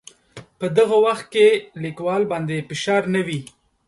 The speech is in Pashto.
په دغه وخت کې لیکوال باندې فشار نه وي.